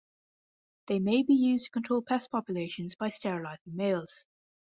They may be used to control pest populations by sterilizing males.